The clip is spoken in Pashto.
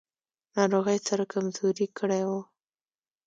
ناروغۍ سره کمزوری کړی و.